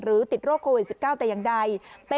ติดโรคโควิด๑๙แต่อย่างใด